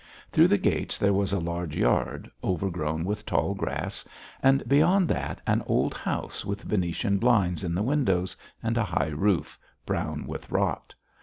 Through the gates there was a large yard, overgrown with tall grass, and beyond that, an old house with Venetian blinds in the windows, and a high roof, brown with rot.